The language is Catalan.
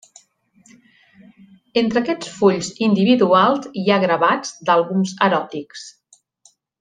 Entre aquests fulls individuals, hi ha gravats d'àlbums eròtics.